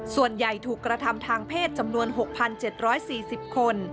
ส่วนใหญ่ถูกกระทำทางเพศจำนวน๖๗๔๐คน